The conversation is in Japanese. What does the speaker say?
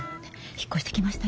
引っ越してきました